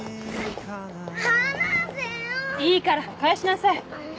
いいから返しなさい。